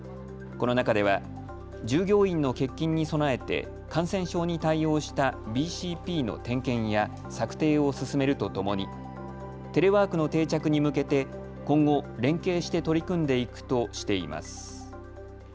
この中では従業員の欠勤に備えて感染症に対応したＢＣＰの点検や策定を進めるとともにテレワークの定着に向けて今後、連携して取り組んでいくとしています。